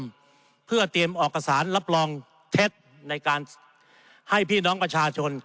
เพื่อเตรียมออกเอกสารรับรองเท็จในการให้พี่น้องประชาชน